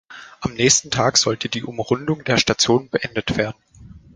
Am nächsten Tag sollte die Umrundung der Station beendet werden.